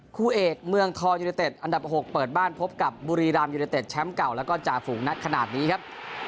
คู่เอกเมืองทองยูเนเต็ดอันดับ๖เปิดบ้านพบกับบุรีรามยูเนเต็ดแชมป์เก่าแล้วก็จ่าฝูงนักขนาดนี้ครับ